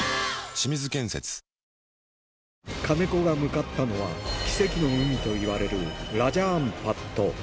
清水建設金子が向かったのは「奇跡の海」といわれるラジャ・アンパット